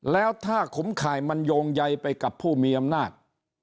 แล้วถ้าขุมข่ายมันโยงใยไปกับผู้มีอำนาจ